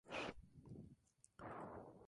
Es un arbusto.